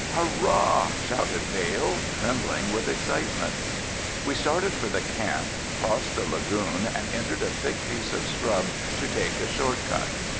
"Hurrah!" shouted Vail trembling with excitement. We started for the camp, crossed the lagoon and entered a thick piece of scrub to take a short cut.